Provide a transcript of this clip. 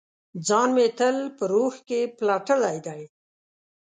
ځان مې تل په روح کې پلټلي دی